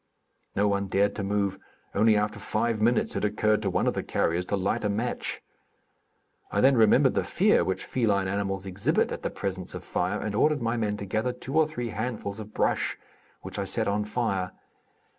No one dared to move; only after five minutes it occurred to one of the carriers to light a match. I then remembered the fear which feline animals exhibit at the presence of fire, and ordered my men to gather two or three handfuls of brush, which I set on fire.